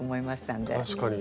確かに。